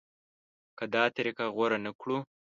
که دا طریقه غوره نه کړو.